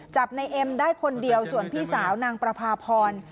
จับในเอ็มได้คนเดียวส่วนพี่สาวนางประพาพร